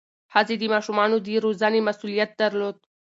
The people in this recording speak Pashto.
ښځې د ماشومانو د روزنې مسؤلیت درلود.